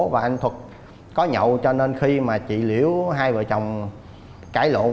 và anh thuật có nhậu cho nên khi chị liễu hai vợ chồng cãi lộn